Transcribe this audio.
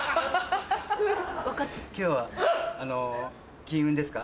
今日はあの金運ですか？